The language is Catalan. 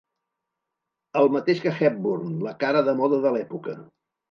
El mateix que Hepburn, la cara de moda de l'època.